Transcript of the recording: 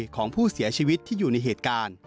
ของผู้เสียชีวิตที่อยู่ในเหตุการณ์